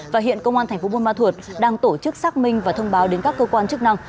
và hiện công an thành phố buôn ma thuột đang tổ chức xác minh và thông báo đến các cơ quan chức năng